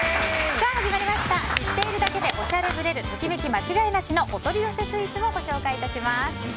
知っているだけでおしゃれぶれるときめき間違いなしのお取り寄せスイーツをご紹介致します。